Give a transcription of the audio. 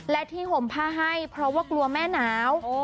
และที่ห่มผ้าให้เพราะว่ากลัวแม่หนาว